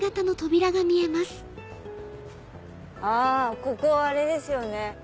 あっここはあれですよね。